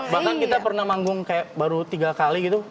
bahkan kita pernah manggung kayak baru tiga kali gitu